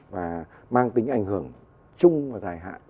và mang tính ảnh hưởng chung và dài hạn